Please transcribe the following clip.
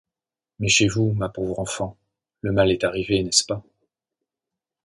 Mais chez vous, ma pauvre enfant, le mal est arrivé, n’est-ce pas?